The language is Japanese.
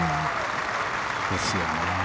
ですよね。